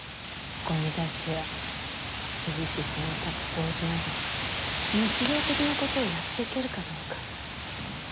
ゴミ出しや炊事洗濯掃除など日常的なことをやっていけるかどうかって。